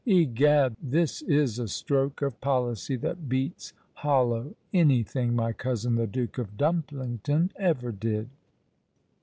Egad! this is a stroke of policy that beats hollow any thing my cousin the Duke of Dumplington ever did."